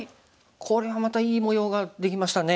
これはまたいい模様ができましたね。